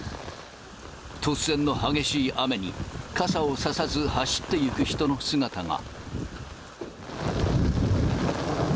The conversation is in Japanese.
突然の激しい雨に、傘をささず、走っていく人の姿が。